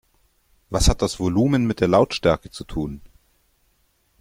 Was hat das Volumen mit der Lautstärke zu tun?